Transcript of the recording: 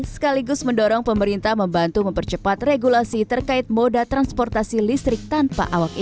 sekaligus mendorong pemerintah membantu mempercepat regulasi terkait moda transportasi listrik tanpa awak ini